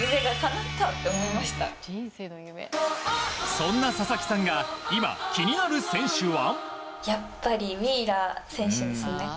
そんな佐々木さんが今気になる選手は。